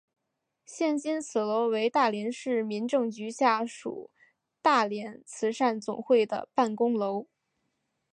现今此楼为大连市民政局下属大连慈善总会的办公楼。